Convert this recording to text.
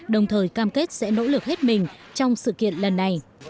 đồng thời cam kết sẽ nỗ lực hết mình trong sự kiện lần này